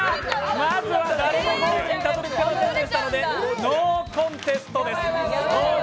まずは誰もゴールに辿り着けませんでしたのでノーコンテストです。